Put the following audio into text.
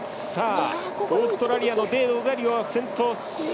オーストラリアのデロザリオが先頭。